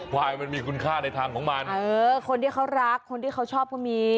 ควายมันมีคุณค่าในทางของมันเออคนที่เขารักคนที่เขาชอบก็มี